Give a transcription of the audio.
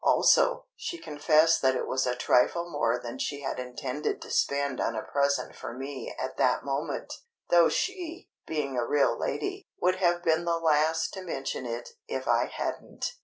Also, she confessed that it was a trifle more than she had intended to spend on a present for me at that moment, though she, being a real lady, would have been the last to mention it if I hadn't.